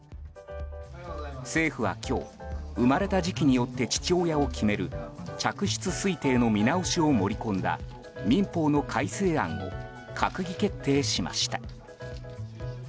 政府は今日生まれた時期によって父親を決める嫡出推定の見直しを盛り込んだ民法の改正案を閣議決定しました。